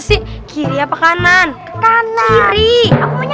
siapa tau dia kesana